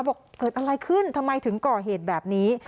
บอกเกิดอะไรขึ้นทำไมถึงก่อเหตุแบบนี้